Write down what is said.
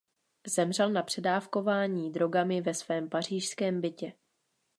Zemřel na předávkování drogami ve svém pařížském bytě.